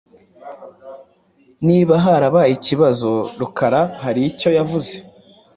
Niba harabaye ikibazo, Rukara hari icyo yavuze.